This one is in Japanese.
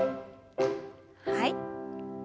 はい。